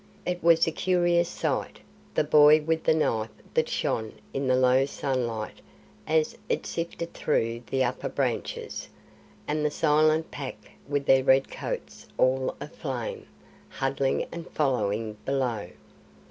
It was a curious sight the boy with the knife that shone in the low sunlight as it sifted through the upper branches, and the silent Pack with their red coats all aflame, huddling and following below.